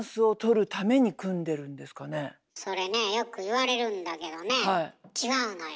それねよく言われるんだけどね違うのよ。